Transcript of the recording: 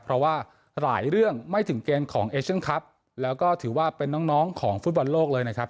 เพราะว่าหลายเรื่องไม่ถึงเกณฑ์ของเอเชียนคลับแล้วก็ถือว่าเป็นน้องของฟุตบอลโลกเลยนะครับ